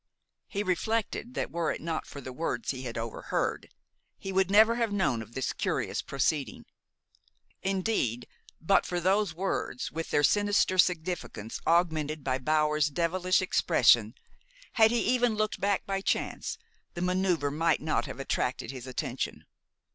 He reflected that were it not for the words he had overheard, he would never have known of this curious proceeding. Indeed, but for those words, with their sinister significance augmented by Bower's devilish expression, had he even looked back by chance, the maneuver might not have attracted his attention.